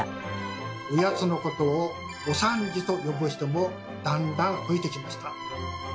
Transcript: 「御八つ」のことを「お３時」と呼ぶ人もだんだん増えてきました。